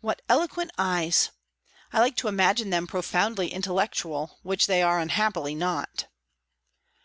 What eloquent eyes! I like to imagine them profoundly intellectual, which they are unhappily not."